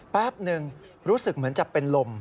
แป๊บนึงรู้สึกเหมือนจะเป็นลม